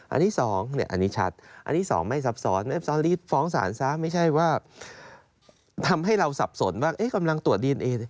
อันนี้สองอันนี้ชัดอันนี้สองไม่ซับซ้อนไม่ใช่ว่าทำให้เราซับสนว่ากำลังตรวจดีเอนเอ